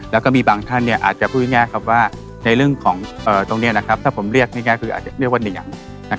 แล้วก็มีบางท่านอาจจะพูดง่ายว่าในเรื่องของตรงนี้ถ้าผมเรียกง่ายคืออาจจะเรียกว่าเหนียง